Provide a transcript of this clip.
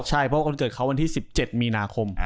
ใช่เพราะวันเกิดเขาวันที่๑๗มีนาคม